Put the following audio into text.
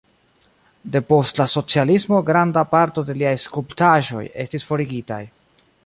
Depost la socialismo granda parto de liaj skulptaĵoj estis forigitaj.